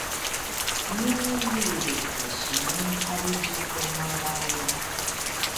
Ni ne miru ke ŝi nun fariĝis tre malgaja.